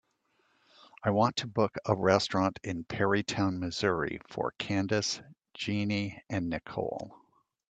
I want to book a restaurantin Perrytown Missouri for candice, jeannie and nichole.